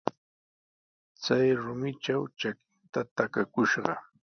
Chay rumitraw trakinta takakushqa.